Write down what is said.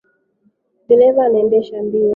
Dereva anaendesha mbio.